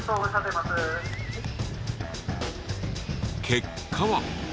結果は。